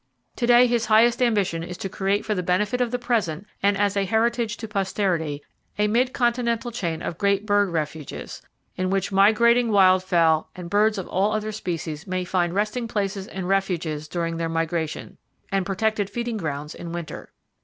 To day his highest ambition is to create for the benefit of the Present, and as a heritage to Posterity, a mid continental chain of great bird refuges, in which migrating wild fowl and birds of all other species may find resting places and refuges during their migrations, and protected feeding grounds in winter.